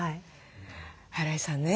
荒井さんね